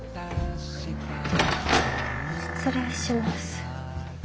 失礼します。